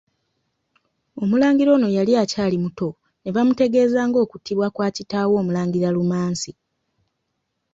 Omulangira ono yali akyali muto ne bamutegeeza ng'okuttibwa kwa kitaawe Omulangira Lumansi.